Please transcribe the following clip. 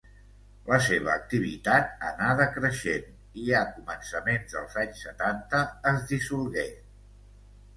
La seva activitat anà decreixent i a començaments dels anys setanta es dissolgué.